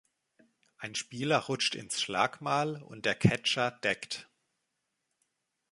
Ein Spieler rutscht ins Schlagmal und der Catcher deckt.